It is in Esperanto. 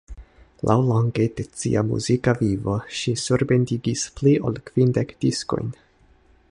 Laŭlonge de sia muzika vivo ŝi surbendigis pli ol kvindek diskojn.